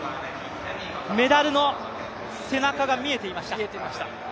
メダルの背中が見えていました。